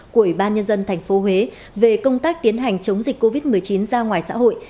của ủy ban nhân dân tp huế về công tác tiến hành chống dịch covid một mươi chín ra ngoài xã hội